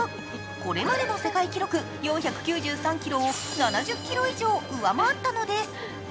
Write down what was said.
これまでの世界記録４９３キロを７０キロ以上上回ったのです。